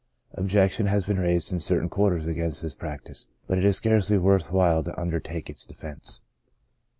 Objection has been raised in certain quarters against this prac tice, but it is scarcely worth while to under take its defense.